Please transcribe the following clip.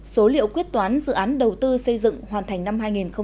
số liệu quyết toán dự án đầu tư xây dựng hoàn thành năm hai nghìn một mươi bảy